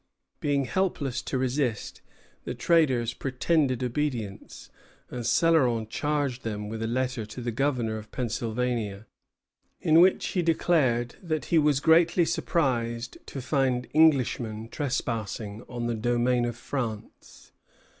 Being helpless to resist, the traders pretended obedience; and Céloron charged them with a letter to the Governor of Pennsylvania, in which he declared that he was "greatly surprised" to find Englishmen trespassing on the domain of France.